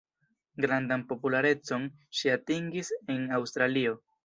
Grandan popularecon ŝi atingis en Aŭstralio.